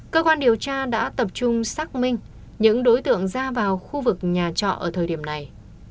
cơ quan điều tra đã tập trung xác minh những đối tượng ra vào khu vực nhà trọ ở thời điểm này